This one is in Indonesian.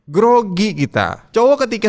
grogi kita cowok ketika